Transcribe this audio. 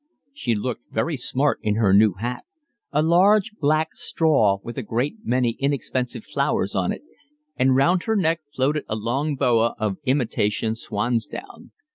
She looked very smart in her new hat, a large black straw with a great many inexpensive flowers on it; and round her neck floated a long boa of imitation swansdown.